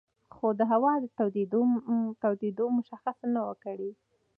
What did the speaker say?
خو د هوا تودېدو مشخصه نه وه کړې